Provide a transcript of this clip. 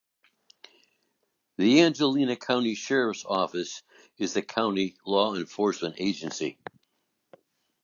The Angelina County Sheriff's Office is the county law enforcement agency.